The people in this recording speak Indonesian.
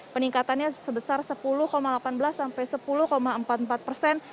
peningkatannya sebesar sepuluh delapan belas sampai sepuluh empat puluh empat persen